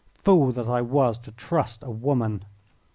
Fool that I was to trust a woman!"